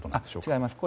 違います。